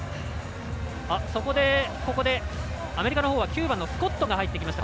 ここで、アメリカのほうは９番のスコットが入ってきました。